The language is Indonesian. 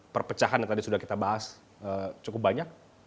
perpecahan yang tadi sudah kita bahas cukup banyak